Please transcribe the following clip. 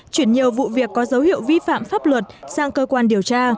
chuyển nhiều vụ việc có dấu hiệu vi phạm pháp luật sang cơ quan điều tra